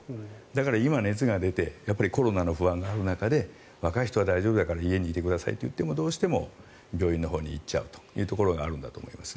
だから今、熱が出てコロナの不安がある中で若い人は大丈夫だから家にいてくださいと言ってもどうしても病院のほうに行っちゃうところがあるんだと思います。